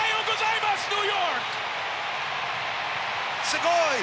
すごい！